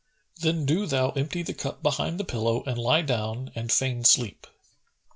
Then do thou empty the cup behind the pillow and lie down and feign sleep.